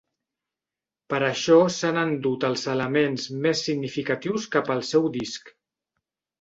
Per això s'han endut els elements més significatius cap al seu disc.